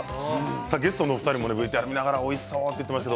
ゲストのお二人もＶＴＲ見ながらおいしそう！と言ってました。